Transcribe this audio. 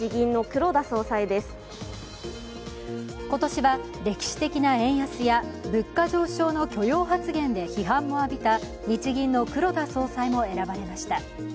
今年は歴史的な円安や物価上昇の許容発言で批判を浴びた日銀の黒田総裁も選ばれました。